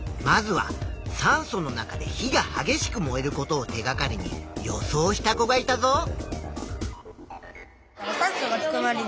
まずは酸素の中で火がはげしく燃えることを手がかりに予想した子がいたぞ。